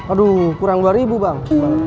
aduh kurang dua ribu bang